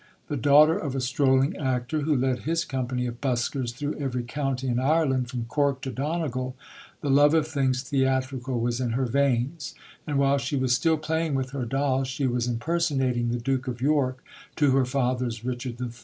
The daughter of a strolling actor who led his company of buskers through every county in Ireland from Cork to Donegal, the love of things theatrical was in her veins; and while she was still playing with her dolls she was impersonating the Duke of York to her father's Richard III.